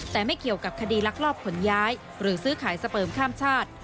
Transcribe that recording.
แต่ไม่เกี่ยวกับคดีลักลอบขนย้ายหรือซื้อขายสเปิมข้ามชาติ